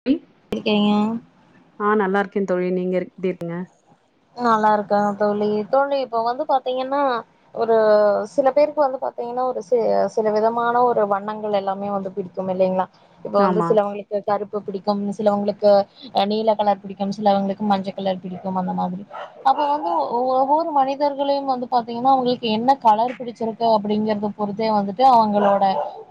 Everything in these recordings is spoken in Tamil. [inaudible] செய்யா ஆ நல்லா இருக்கே தோழி நீங்க இருக் எப்டி இருக்கீங்க நல்லா இருக்கே தோழி தோழி இப்ப வந்து பாத்தீங்கன்னா ஒரு சில பேருக்கு வந்து பாத்தீங்கன்னா ஒரு சி சில விதமான ஒரு வண்ணங்கள் எல்லாமே வந்து பிடி க்கும் இல்லைங்களா இப்ப வந்து ஆமா சிலவங்களு த கருப்பு பிடிக்கும் சிலவங்களுக்கு அ நீல கலர் பிடிக்கும் சிலவங்களுக்கு மஞ்ச கலர் பிடிக்கும் அந்த மாதிரி அப்ப வந்து ஒ ஒவ்வொரு மனிதர்களையு வந்து பாத்தீங்னா அங்ளுக்கு என்ன கலர் பிடிச்சிருக்கு அப்டிங்கறது பொத்தே வந்துட்டு அவங்களோட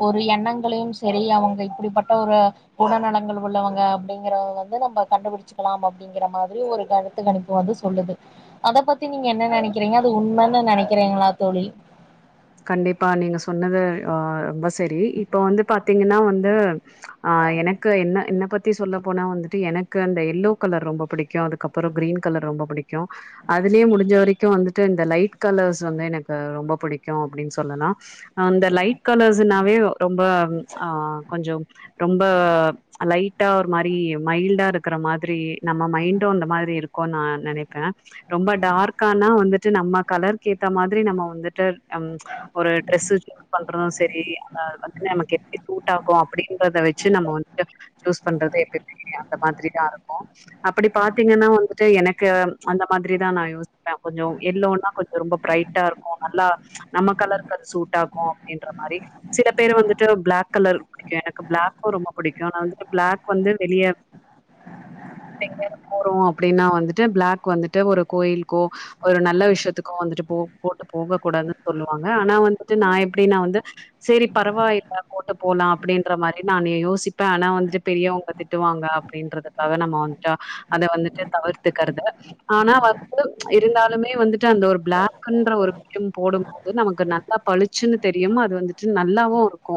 ஒரு எண்ணங்களையு சேரி அவங்க இப்டிப்பட்ட ஒரு குணநலங்கள் உள்ளவங்க அப்டிங்கறத வந்து நம்ம கண்டுபிடிச்சிக்கிலாம் அப்டி ங்கிற மாரி ஒரு கருத்து கணிப்பு வந்து சொல்லுது அத பத்தி நீங்க என்ன நெனைக்கிறீங்க அது உண்மன்னு நெனைக்கிறீங்ளா தோழி கண்டிப்பா நீங்க சொன்னது ஒ ரொம்ப செரி இப்ப வந்து பாத்தீங்னா வந்து ஆ எனக்கு என்ன என்ன பத்தி சொல்ல போனா வந்துட்டு எனக்கு அந்த எல்லோ கலர் ரொம்ப பிடிக்கு அதுக்கப் அப்புறோ க்ரீன் கலர் ரொம்ப புடிக்கு அதுலே முடிஞ்ச வரைக்கு வந்துட்டு இந்த லைட் கலர்ஸ் வந்து எனக்கு ரொம்ப புடிக்கு அப்டின்னு சொன்னனா ஆ அந்த லைட் கலர்ஸ்னாவே ரொம்ப ஆ கொஞ்சோ ரொம்ப அப் லைட்டா ஒரு மாரி மைல்டா இருக்கிற மாதிரி நம்ம மைண்டு அந்த மாரி இருக்கு நா நெனைப் அ ரொம்ப டார்க்கானா வந்துட்டு நம்ம கலர்க்கு ஏத்த மாதிரி நம்ம வந்துட்டு அம் ஒரு ட்ரெஸ்சு இது பண்றது செரி அத வந்து நமக்கு எப்டி சூட் ஆகு அப்டின்றத வச்சி நம்ம வந்து சூஸ் பண்றதே எப்டி [inaudible] அந்த மாரிதா இருக்கு அப்டி பாத்தீங்னா வந்துட்டு எனக்கு அந்த மாரி தா நா யோசிப்பே கொஞ்சோ எல்லோனா கொஞ்சோ ரொம்ப ப்ரைட் டா இருக்கு நல்லா நம்ம கலருக்கு அது சூட் ஆகு அப்டின்ற மாரி சில பேர் வந்துட்டு ப்ளக் கலர் எனக்கு ப்ளக்கு ரொம்ப பிடிக்கு நா வந்துட்டு ப்ளக் வந்து வெளிய எங்கயாவது போறோ அப்டின்னா வந்துட்டு ப்ளக் வந்துட்டு ஒரு கோயிலுக்கோ ஒரு நல்ல விஷயத்துக்கோ வந்துட்டு போ போட்டு போக கூடாதுன்னு சொல்லுவாங்க ஆனா வந்துட்டு நா எப்டின்னா வந்து செரி பரவால்ல போட்டு போலா அப்டின்ற மாரி நானே யோசிப்பே ஆனா வந்துட்டு பெரியவங்க திட்டுவாங்க அப்டின்றதுக்காக நம்ம வந்துட்டு அத வந்துட்டு தவிர்த்துக்கறது ஆனா வந்து இருந்தாலுமே வந்துட்டு அந்த ஒரு ப்ளக்ன்ற ஒரு வியம் போடும் நமக்கு நல்லா பழுச்சுன்னு தெரியும் அது வந்துட்டு நல்லாவு இருக்கு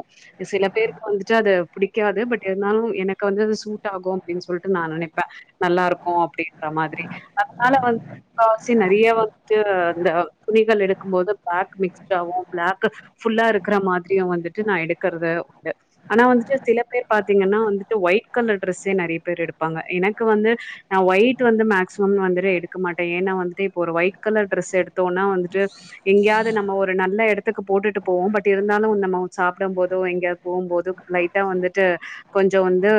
சில பேருக்கு வந்துட்டு அது புடிக்காது பட் இருந்தாலு எனக்கு வந்து அது சூட் ஆகு அப்டின்னு சொல்லுட்டு நா நனப்பே நல்லா இருக்கு அப்டின்ற மாரி அதனால வந்து முக்காவாசி நெறய வந்து இந்த துணிகள் எடுக்கும்போதுப் பிளாக் மிக்ஸ்ட் ஆவு பிளாக் புல்லா இருக்குற மாதிரியு வந்துட்டு நா எடுக்கறத ய ஆனா வந்துட்டு சில பேர் பாத்தீங்னா வந்துட்டு ஒயிட் கலர் ட்ரெஸ்சே நெறய பேர் எடுப்பாங்க எனக்கு வந்து நா ஒயிட் வந்து மேக்சிமம் வந்துட்டு எடுக்க மாட்ட ஏனா வந்துட்டு இப்போ ஒரு ஒயிட் கலர் ட்ரெஸ் எடுத்தோனா வந்துட்டு எங்கேயாவது நம்ம ஒரு நல்ல எடத்துக்கு போட்டுட்டு போவோ பட் இருந்தாலு நம்மோ சாப்டம் போது ஓ எங்கயாது போகும்போது லைட்டா வந்துட்டு கொஞ்சோ வந்து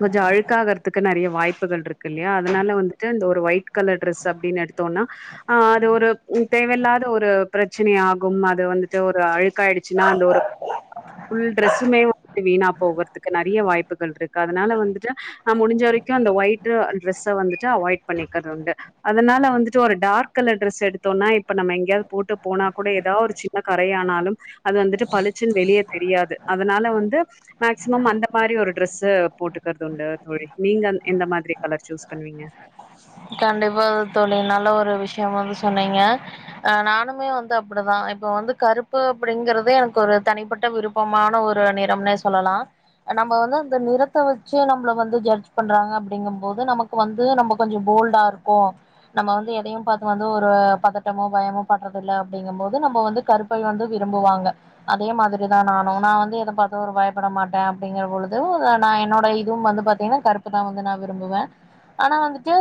கொஞ்சோ அழுக்காகறதுக்கு நெறய வாய்ப்புகள் இருக்கு இல்லயா அதனால வந்துட்டு இந்த ஒரு ஒயிட் கலர் ட்ரெஸ் அப்டின்னு எடுத் தோனா ஆ அது ஒரு உதே இல்லாத ஒரு பிரச்சன ஆகும் அது வந்துட்டு ஒரு அழுக்காயிடுச்சின்னா அந்த ஒரு புல் ட்ரெஸ்ஸுமே வந்து வீணா போகுறதுதுக்கு நெறய வாய்ப்புகள் இருக்கு அதனால வந்துட்டு ஆ முடிஞ்ச வரைக்கு அந்த ஒயிட் ட்ரெஸ்ஸ வந்துட்டு அவாய்ட் பண்ணிக்கரது உண்டு அதனால வந்துட்டு ஒரு டார்க் கலர் ட்ரெஸ் எடுத்தோனாய் இப்ப நம்ம எங்கேயாவது போட்டு போனா கூட ஏதாவது ஒரு சின்ன கரையானாலு அது வந்துட்டு பழுச்சின்னு வெளிய தெரியாது அதனால வந்து மேக்சிமம் அந்த மாரி ஒரு ட்ரெஸ் போட்டுக்கிறது உண்டு தோழி நீங்க எந்த மாதிரி கலர் சூஸ் பண்ணுவீங்க கண்டிப்பா அது தோழி நல்ல ஒரு விஷயம் வந்து சொன்னங்க அ நானுமே வந்து அப்டிதா இப்ப வந்து கருப்பு அப்டிங்கறத எனக்கு ஒரு தனிப்பட்ட விருப் பொம்மான ஒரு நிறம்னே சொல்லலா நம்ம வந்து அந்த நிறத்த வச்சே நம்ள வந்து ஜட்ஜ் பண்றாங்க அப்டிங்கம் போது நமக்கு வந்து நம்ம கொஞ்சம் போல்டாருக்கு நம்ம வந்து எதையு பாத்து வந்து ஒரு பதட்டமோ பயமோ படுறதில்ல அப்டிங்கம் போது நம்ம வந்து கருப் பை வந்து விரும்புவாங்க அதே மாதிரிதா நானு நா வந்து எத பாத்து ஒரு பயப்பட மாட்டே அப்டிங்கற பொழுது நா என்னோட இதுவும் வந்து பாத் திங்னா கருப்புதா வந்து நா விரும்புவே ஆனா வந்துட்டு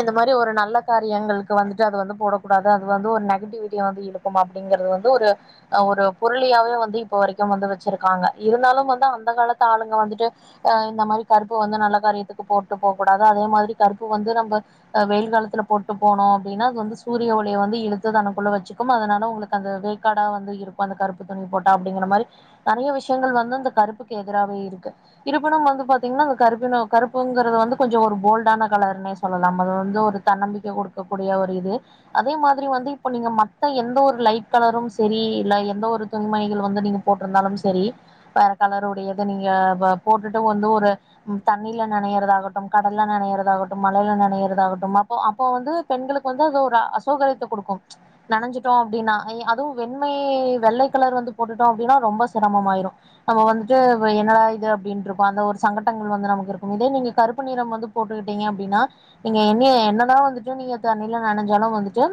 இந்த மாரி ஒரு நல்ல காரியங்கள்க்கு வந்துட்டு அது வந்து போடக்கூடாது அது வந்து ஒரு நெகட்டிவிட்டிய வந்து இழுக் கும் அப்டிங்கறது வந்து ஒரு அ ஒரு புரளியாவே வந்து இப்ப வரைக்கும் வந்து வச்சிருக்காங்க இருந்தாலும் வந்து அந்த காலத்து ஆளுங்க வந்துட்டு ஆ இந்த மாரி கருப்பு வந்து நல்ல காரியத்துக்கு போட்டு போகக் கூடாது அதே மாதிரி கருப்பு வந்து நம்ப அ வெயில் காலத்துல போட்டு போனோ அப்டினா அது வந்து சூரிய ஒளிய வந்து இழுத்து தனக்குள்ள வச்சிக்கும் அதனால ஒங்ளுக் அந்த வேக்காடா வந்து இருக்கு அந்த கருப்பு துணி போட்டா அப்டிங்குற மாரி நெறையா விஷயங்கள் வந்து அந்த கருப்புக்கு எதிராவே இருக்கு இருப்பினும் வந்து பாத்தீங்னா அந்த கருப்பினோ கருப்புங்றது வந்து கொஞ்சோ ஒரு போல்டான கலர்னே சொல்லலாம் அது வந்து ஒரு தன்னம்பிக்கை குடுக்கக்கூடிய ஒரு இது அதே மாதிரி வந்து இப்போ நீங்க மத்த எந்த ஒரு லைட் கலரும் செரீ இல்ல எந்த ஒரு தொன்மைகள் வந்து நீங்க போட்ருந்தாலும் செரீ வேற கலருடையத நீங்க வ போட்டுட்டு வந்து ஒரு தண்ணில நனையிறதாகட்டும் கடல்ல நனையிறதாகட் டும் மலைல நனையிறதாகட்டும் அப்போ அப்போ வந்து பெண்களுக்கு வந்து அது ஒரு அசௌகரியத்த குடுக்கும் நனஞ்சிட்டோ அப்டினா அய் அதுவு வெண்மை வெள்ளை கலர் வந்து போட்டுட்டோ அப்டினா ரொம்ப சிரமமாயிரு நம்ம வந்துட்டு வ என்னடா இது அப்டின்ருக்கு அந்த ஒரு சங்கட்டங்கள் வந்து நமக்கு இருக்கும் இதே நீங்க கருப்பு நிறம் வந்து போட்டுகிட் டிங்க அப்டினா நீங்க என்னிய என்னதா வந்துட்டு நீங்க தண்ணியில நனஞ்சாலு வந்துட்டு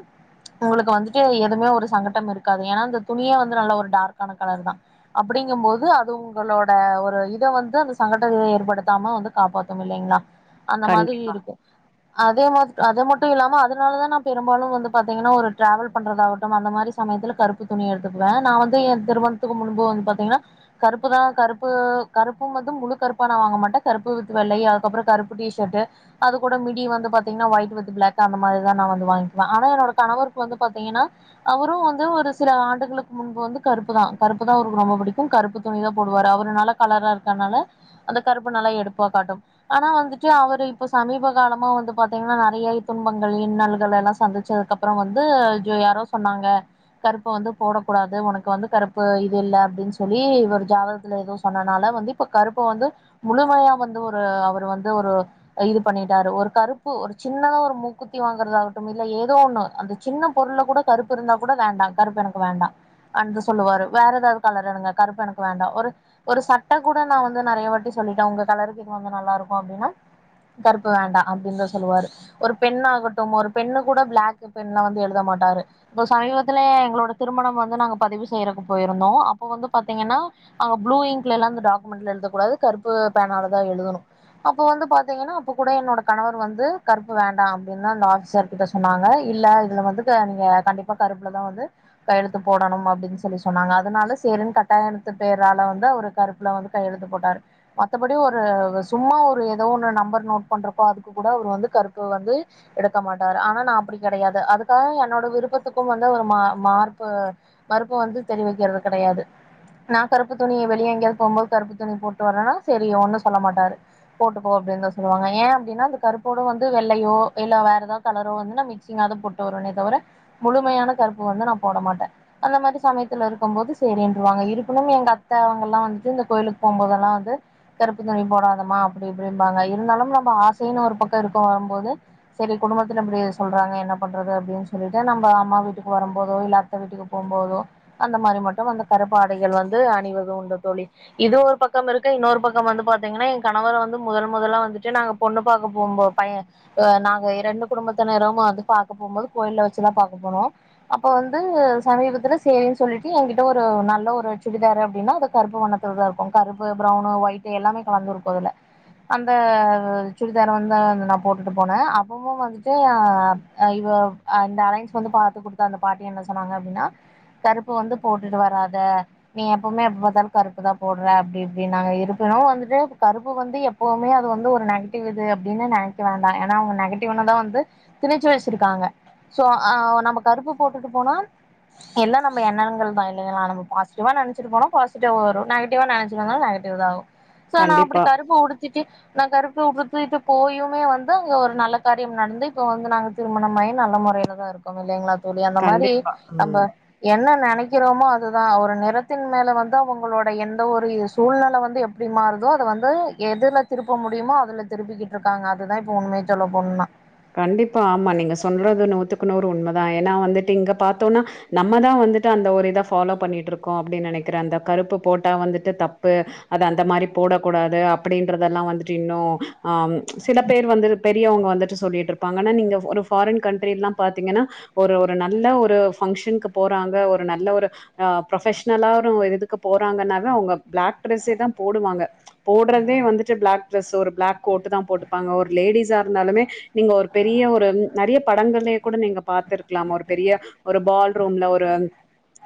உங்களுக்கு வந்துட்டு எதுமே ஒரு சங்கட்டம் இருக்காது ஏனா இந்த துணியே வந்து நல்ல ஒரு டார்க்கான கலருதா அப்டிங்கம்போது அது உங்களோட ஒரு இத வந்து அந்த சங்கட்டங்களை ஏற்படுத்தாம வந்து காப்பாத்தும் இல்லைங்ளா அந்த கண் மாதிரி இருக்கு அதே மாஸ்க் அத மட்டு இல்லாம அதுனாலதா நா பெரும்பாலு வந்து பாத்தீங்கனா ஒரு டிராவல் பண்றதாகட்டு அந்த மாரி சமயத்துல கருப்பு துணி எடுத்துக்குவே நா வந்து ஏ திருமணத்துக்கு முன்பு வந்து பாத்தீங்கனா கருப்பு தா கருப்பு கருப்பும் வந்து முழு கருப்பா நா வாங்க மாட்டே கருப்பு வித் வெள்ளை அதுக்கப்றோ கருப்பு டிஷர்ட்டு அது கூட மிடி வந்து பாத்தீங்னா ஒய்ட் வித் பிளேக் அந்த மாதிரி தா நா வந்து வாங்கிக்குவே ஆனா என்னோட கணவர் கு வந்து பாத்தீங்கனா அவரு வந்து ஒரு சில ஆண்டுகளுக்கு முன்பு வந்து கருப்பு தா கருப்பு தா அவருக்கு ரொம்ப பிடிக்கு கருப்பு துணிதா போட் வாரு அவரு நல்ல கலரா இருக்கனால அந்த கருப்பு நல்லா எடுப்பா காட்டும் ஆனா வந்துட்டு அவரு இப்போ சமீப காலமா வந்து பாத்தீங்னா நெறைய இ துன்பங்கள் இன்னல்கள் எல்லா சந்திச்சதுக்கப்றோ வந்து ஜு யாரோஸ் சொன்னாங்க கருப்பு வந்து போடக் கூடாது உனக்கு வந்து கருப்பு இது இல்ல அப்டின் சொல்லி இவரு ஜாதகத்துல ஏதோ சொன்னனால வந்து இப்ப கருப்ப வந்து முழுமையா வந்து ஒரு அவர் வந்து ஒரு இது பண்ணிட்டாரு ஒரு கருப்பு ஒரு சின்னதா ஒரு மூக்குத்தி வாங்கறதாகட்டும் இல்ல ஏதோ ஒன்னு அந்த சின்ன பொருளக் கூட கருப்பிருந்தா கூட வேண்டா கருப்பு எனக்கு வேண்டா அந்து சொல்லுவாரு வேற ஏதாவது கலர் எடுங்க கருப்பு எனக்கு வேண்டா ஒரு ஒரு சட்ட கூ ட நா வந்து நெறையாவாட்டி சொல்லிட்டே உங்க கலருக்கு இது வந்து நல்லாருக்கு அப்டினு கருப்பு வேண்டா அப்டின்தா சொல்லுவாரு ஒரு பென்னாகட்டும் ஒரு பென்னு கூட பிளாக்கு பென்ல வந்து எழுத மாட்டாரு இப்போ சமீபத்துல எங்களோட திருமணம் வந்து நாங்க பதிவு செய்யிறக்கு போயிருந்தோ அப்போ வந்து பாத்தீங்கன்னா அங்க ப்ளூ இங்க்லல்லா இந்த டாக்குமெண்ட்ல எழுதக்கூடாது கருப்பு பேனாலதா எழுதணு அப்போ வந்து பாத்தீங்கன்னா கூட என்னோட கணவர் வந்து கருப்பு வேண்டா அப்டின்னு அந்த ஆஃபீசர் கிட்ட சொன்னாங்க இல்ல இதுல வந்து நீங்க கண்டிப் பா கருப்புல தா வந்து கையெழுத்து போடணு அப்டின்னு சொல்லி சொன்னாங்க அதனால சேரின் கட்டாயணத்து பேயரால வந்து அவுரு கருப்புல வந்து கையொழுத்து போட்டாரு மத்தபடி ஒரு சும்மா ஒரு ஏதோ ஒன்னு நம்பர் நோட் பண்றப்போ அதுக்கு கூட அவர் வந்து கருப்பு வந்து எடுக்க மாட்டாரு ஆனா நா அப்டி கடையாது அதுக்காக என்னோட விருப்பத்துக்கு வந்து ஒரு மா மார்ப்பு மறுப்பு வந்து தெரிவிக்கிறது கடையாது நா கருப்பு துணி வெளிய எங்கயாது போம்போது கருப்பு துணி போட்டு வரன்னா சேரி ஒண்ணு சொல்ல மாட்டாரு போட்டுப்போ அப்டினுதா சொல் லுவாங்க ஏ அப்டின்னா அந்த கருப்போட வந்து வெள்ளையோ இல்ல வேற ஏதாவது கலரோ வந்து நா மிக்சிங்காது போட்டு வருவனே தவர முழுமையான கருப்பு வந்து நா போட மாட்ட அந்த மாரி சமயத்துல இருக்கு போது சேரின்ருவாங்க இருப்பினும் எங்க அத்த அவுங்கல்லா வந்துட்டு இந்த கோயிலுக்கு போம்போதெல்லா வந்து கருப்பு துணி போடாதமா அப்டி இப்டி இம்பாங்க இருந்தாலு நம்ம ஆசைன்னு ஒரு பக்கம் இருக்கு வரும்போது சேரி குடும்பத்துல இப்டி சொல்றாங்க என்ன பண்றது அப்டின் சொல்லிட்டு நம்ம அம்மா வீட்டுக்கு வரும் போதோ இல்ல அத்த வீட்டுக்கு போம்போதோ அந்த மாரி மட்டு அந்த கருப்பாடைகள் வந்து அணிவது உண்டு தோழி இது ஒரு பக்கம் இருக்கு இன்னொரு பக்கம் வந்து பாத்தீங்கன்னா என் கணவர் வந்து முதல் முதலா வந்து வந்துட்டு நாங்க பொண்ணு பாக்க போம்போ பைய ஆ நாங்க இரண்டு குடும்பத்தினரு வந்து பாக்க போம்போது கோயில வச்சுதா பாக்க போனோ அப்ப வந்து சமீபத்துல சேரின்னு சொல்லிட்டு என்கிட்ட ஒரு நல்ல ஒரு சுடிதார் அப்டின்னா அத கருப்பு வண்ண இதுதா இருக்கு கருப்பு பிரௌவுனு ஒயிட்டு எல்லாமே கலந்து இருக்கு அதுல அ சுடிதார் வந்து நா போட்டுட்டு போன அப்பவு வந்துட்டு அ இவ அ இந்த அலையன்ஸ் வந்து பாத்து குடுத்த அந்த பாட்டி என்ன சொன்னாங்க அப்டின்னா கருப்பு வந்து போட்டுட்டு வராத நீ எப்பவுமே எப்பதாலு கருப்பு தா போடுற அப்டி இப்டினாங்க இருப்பினு வந்துட்டு கருப்பு வந்து எப்பவுமே வந்து ஒரு நெகட்டிவ் இது அப்டின்னு நெனைக்க வேண்டா ஏனா அவுங்க நெகட்டிவ்னு தா வந்து திணிச்சு வச்சிருக்காங்க சோ ஆ நம்ம கருப்பு போட்டுட்டு போனா எல்லா நம்ம எண்ணங்கள் தா இல்லைங்களா நம்ம பாசிட்டிவா நெனைச்சிட்டு போனு பாசிட்டிவா வரு நெகட்டிவ நினைச்சிங்கனா நெகட்டிவ் தா வரு சோ நா அப்படி கண்டிப்பா கருப்ப உடுத்திட்டு நா கருப்ப உடுத்துட்டு போயுமே வந்து அங்க ஒரு நல்ல காரியம் நடந்து இப்போ வந்து நாங்க திருமணம் ஆயி நல்ல முறையிலதா இருக்கோங்க இல்லைங்களா தோழி அந்த மாரி கண்டிப்பா நம்ப ம் என்ன நெனைக்கிறோமோ அதுதா ஒரு நிறத்தின் மேல வந்து அவுங்களோட எந்த ஒரு சூழ்நிலை வந்துப் எப்டி மாறுதோ அத வந்து எதுல திருப்ப முடியுமோ அதுல திருப்பிக்கிட்டு இருக்காங்க அதுதா இப்போ உண்மையே சொல்ல போண்ணுன்னா கண்டிப்பா ஆமா நீங்க சொல்றது நூத்துக்கு நூறு உண்மதா ஏனா வந்துட்டு இங்க பாத்தோனா நம்மதா வந்துட்டு அந்த ஒரு இத ஃபாலோ பண்ணிட்டு இருக்கோ அப்படின்னு நெனைக்கிறே அந்த கருப்பு போட்டா வந்துட்டு தப்பு அது அந்த மாரி போடக்க கூடாது அப்படின்றதெல்லா வந்துட்டு இன்னு ஆ சில பேர் வந்து பெரியவுங்க வந்துட்டு சொல்லிட்டு இருப்பாங்கன்னா நீங்க ஒரு ஃபாரின் கன்ட்றி எல்லா பாத்தீங்கன்னா ஒரு ஒரு நல்ல ஒரு ஃபங்க்ஷனுக்கு போறாங்க ஒரு நல்ல ஒரு ஆ ப்ரொஃப்ஷனலா ஒரு இதுக்கு போறாங்கன்னாவே அவுங்க பிளாக் ட்ரெஸ்ஸே தா போடுவாங்க போடுறதே வந்துட்டு பிளாக் ட்ரெஸ் ஒரு பிளாக் கோட்டு தா போட்டுப்பாங்க ஒரு லேடிஸ்சா இருந்தாலுமே நீங்க ஒரு பெரிய ஒரு நறைய படங்கள்லயே கூட நீங்க பாத்துருக்கலா ஒரு பெரிய ஒரு பால் ரூம்ல ஒரு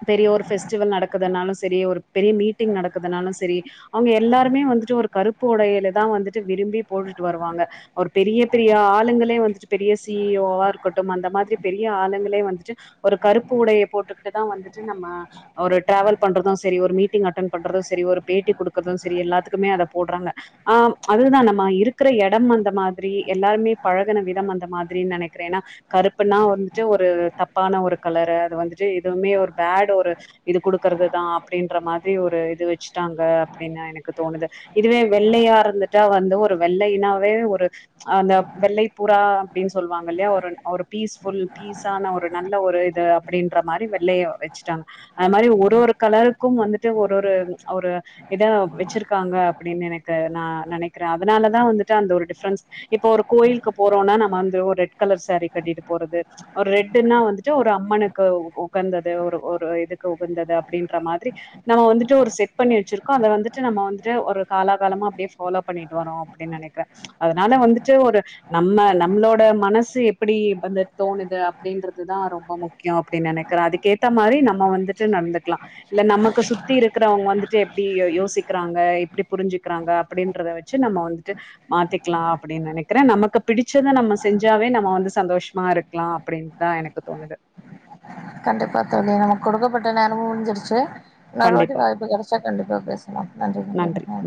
பெரிய ஒரு பெஸ்டிவல் நடக்குதுனாலு செரி ஒரு பெரிய மீட்டிங் நடக்குதுனாலு செரி அவேங்க எல்லாருமே வந்துட்டு ஒரு கருப்பு உடையில தா வந்துட்டு விரும்பி போட்டுட்டு வருவாங்க ஒரு பெரிய பெரிய ஆளுங்களே வந்துட்டு பெரிய சி இ ஓ இருக்கட்டும் அந்த மாதிரி பெரிய ஆளுங்களே வந்துட்டு ஒரு கருப்பு உடைய போட்டுக்கிட்டுதா வந்துட்டு நம்ம ஒரு ட்ராவல் பண்றது செரி ஒரு மீட்டிங் அட்டென் பண்றது செரி ஒரு பேட்டி குடுக்குறது செரி எல்லாத்துக்குமே அத போடுறாங்க ஆ அதுதா நம்ம இருக்கற எடம் அந்த மாதிரி எல்லாருமே பழகுன விதம் அந்த மாதிரின் நெனைக்கிறே ஏன்னா கருப்புன்னா வந்துட்டு ஒரு தப்பான ஒரு கலரு அது வந்துட்டு எதுவுமே ஒரு பேட் ஒரு இது குடுக்குறதுதா அப்படின்ற மாதிரி ஒரு இது வச்சுட்டாங்க அப்டின்னு எனக்கு தோணுது இதுவே வெள்ளயா இருந்துட்டா வந்து ஒரு வெள்ளைனாவே ஒரு அந்த வெள்ளை புரா அப்டின்னு சொல்லுவாங்க இல்லயா ஒரு பீஸ்ஃபுல் பி இசான ஒரு நல்ல ஒரு இது அப்டின்ற மாரி வெள்ளைய வச்சுட்டாங்க அது மாரி ஒரு ஒரு கலருக்கும் வந்துட்டு ஒரு ஒரு ஒரு இதா வச்சிருக்காங்க அப்டின்னு எனக்கு நா நெனைக்கிறே அதனாலதா வந்துட்டு அந்த ஒரு டிஃப்ரென்ஸ் இப்ப ஒரு கோயிலுக்கு போறோனா நம்ம வந்து ஒரு ரெட் கலர் சேரி கட்டிட்டு போறது ஒரு ரெட்டுன்னா வந்துட்டு ஒரு அம்மனுக்கு உகந்தது ஒரு ஒரு இதுக்கு உகந்தது அப்படின்ற மாதிரி நம்ம வந்துட்டு ஒரு செட் பண்ணி வச்சுருக்கோ அத வந்துட்டு நம்ம வந்துட்டு ஒரு காலாகாலமா அப்டியே ஃபாலோ பண்ணிட்டு வரோ அப்டின் நெனைக்கிறே அதனால வந்துட்டு ஒரு நம்ம நம்ளோட மனசு எப்புடி வந்து தோணுது அப்டின்றதுதா ரொம்ப முக் கியோ அப்டின் நெனைக்கிறே அதுக்கேத்த மாரி நம்ம வந்துட்டு நடந்துக்லா இல்ல நமக்கு சுத்தி இருக்கறவங்க வந்துட்டு எப்டி யோசிக்கிறாங்க எப்டி புரிஞ்சுக்கிறாங்க அப்டின்றத வச்சு நம்ம வந்துட்டு மாத்திக்லா அப்டின் நெனைக்கிறே நமக்கு பிடிச்சத நம்ம செஞ்சாவே நம்ம வந்து சந்தோஷமா இருக்லா அப்டின்னுதா எனக்கு தோணுது கண்டிப்பா தோழி நமக்கு கொடுக்கப்பட்ட நேரமு முடிஞ்சிருச்சு இன்னொரு வாட்டி கண்டிப்பா வாய்ப்பு கெடைச்சா கண்டிப்பா பேசலா நன்றி மக்களே அ